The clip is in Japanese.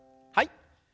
はい。